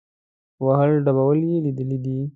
وهل ډبول یې لیدلي دي.